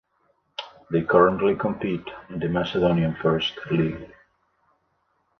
They currently compete in the Macedonian First League.